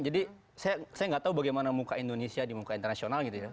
jadi saya gak tahu bagaimana muka indonesia di muka internasional gitu ya